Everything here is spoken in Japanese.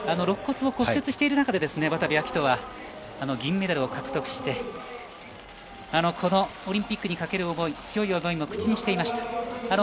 ろっ骨を骨折している中で渡部暁斗は銀メダルを獲得してこのオリンピックにかける強い思いも口にしていました。